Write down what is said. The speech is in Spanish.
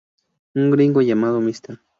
Un gringo llamado Mr.